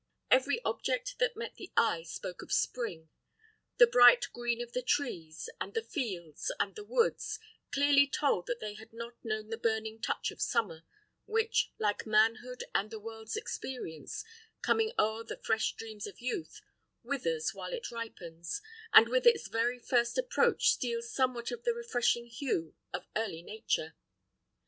Every object that met the eye spoke of spring. The bright green of the trees, and the fields, and the woods, clearly told that they had not known the burning touch of summer, which, like manhood and the world's experience, coming o'er the fresh dreams of youth, withers while it ripens, and with its very first approach steals somewhat of the refreshing hue of early nature.